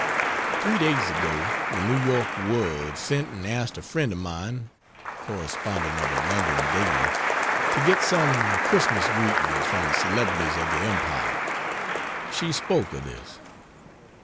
Three days ago the New York World sent and asked a friend of mine (correspondent of a London daily) to get some Christmas greetings from the celebrities of the Empire. She spoke of this.